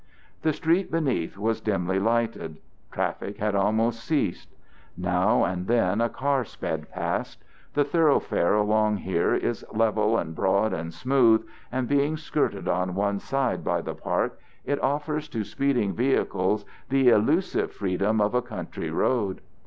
The street beneath was dimly lighted. Traffic had almost ceased. Now and then a car sped past. The thoroughfare along here is level and broad and smooth, and being skirted on one side by the park, it offers to speeding vehicles the illusive freedom of a country road.